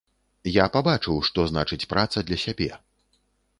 Я пабачыў, што значыць праца для сябе.